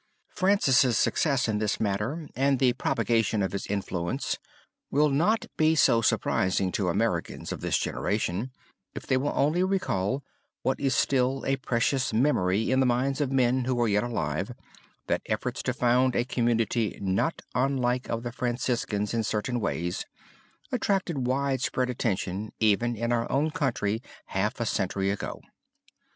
Francis' success in this matter and the propaganda of his influence will not be so surprising to Americans of this generation, if they will only recall what is still a precious memory in the minds of men who are yet alive, that efforts to found a community not unlike that of the Franciscans in certain ways, attracted widespread attention even in our own country half a century ago.